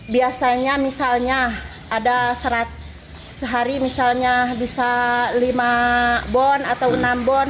biasanya misalnya ada sehari misalnya bisa lima bon atau enam bon